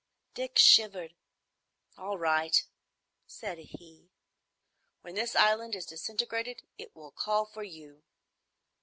Dick shivered. "All right," said he. "When this island is disintegrated, it will call for you."